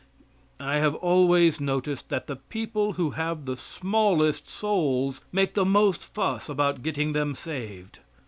I have always noticed that the people who have the smallest souls make the most fuss about getting them saved.